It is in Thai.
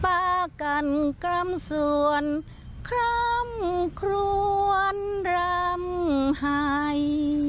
ปากันกรรมส่วนคล้ำคลวนรำไห่